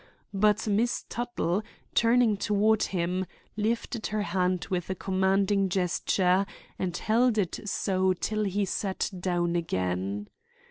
But Miss Tuttle, turning toward him, lifted her hand with a commanding gesture and held it so till he sat down again.